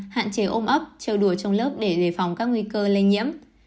hạn chế ôm ấp trêu đùa trong lớp để đề phòng các nguy cơ lây nhiễm